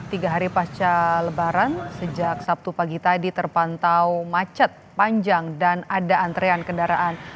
tiga hari pasca lebaran sejak sabtu pagi tadi terpantau macet panjang dan ada antrean kendaraan